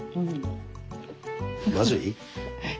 まずい？